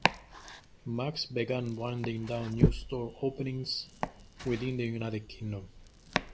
Maxx began winding down new store openings within the United Kingdom.